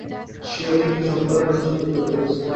স্বীয় ব্যক্তি-সত্তার জন্য সে যুদ্ধ করিতেছে।